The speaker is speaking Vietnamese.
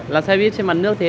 là xe buýt trên mặt nước thế